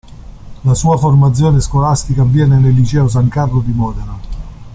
La sua formazione scolastica avviene nel Liceo San Carlo di Modena.